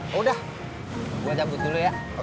oh udah gue cabut dulu ya oke